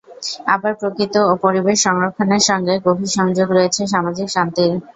আবার প্রকৃতি ও পরিবেশ সংরক্ষণের সঙ্গে গভীর সংযোগ রয়েছে সামাজিক শান্তির।